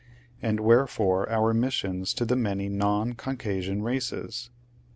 And wherefore our missions to the many non Caucasian races